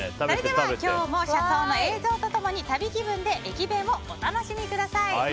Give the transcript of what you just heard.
それでは今日も車窓の映像と共に旅気分で駅弁をお楽しみください。